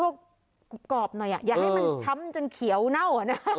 กรอบหน่อยอย่าให้มันช้ำจนเขียวเน่า